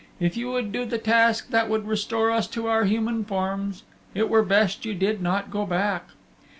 If you would do the task that would restore us to our human forms, it were best you did not go back.